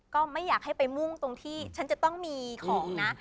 ก็ไม่อยากให้ไปมุ่งตรงที่ฉันจะต้องมีของนะ